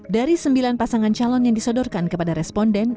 dari sembilan pasangan calon yang disodorkan kepada responden